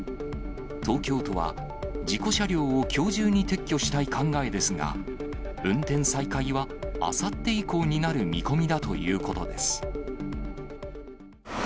東京都は、事故車両をきょう中に撤去したい考えですが、運転再開はあさって以降になる見込みだということです。